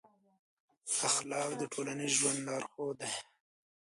اخلاق د ټولنیز ژوند لارښود دی.